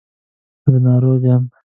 زه ناروغ یم.